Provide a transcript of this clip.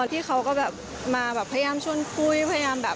ที่เขามาประยามช่วนพุ้ย